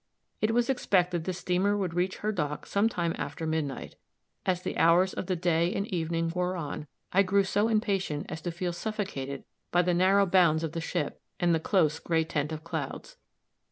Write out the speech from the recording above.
It was expected the steamer would reach her dock some time after midnight. As the hours of the day and evening wore on, I grew so impatient as to feel suffocated by the narrow bounds of the ship, and the close, gray tent of clouds.